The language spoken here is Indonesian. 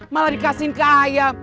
malah dikasih ke ayam